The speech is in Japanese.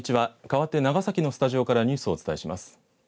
かわって長崎のスタジオからニュースをお伝えします。